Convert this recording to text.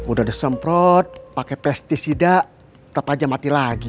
udah di semprot pake pesticida tetep aja mati lagi